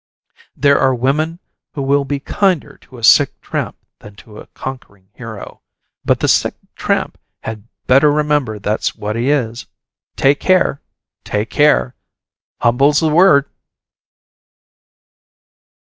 There are women who will be kinder to a sick tramp than to a conquering hero. But the sick tramp had better remember that's what he is. Take care, take care! Humble's the word!